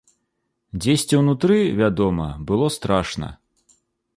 Дзесьці ўнутры, вядома, было страшна.